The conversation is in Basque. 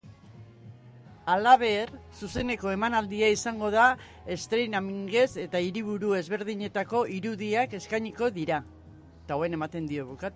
Halaber, zuzeneko emanaldia izango da streamingez eta hiriburu ezberdinetako irudiak eskainiko dira.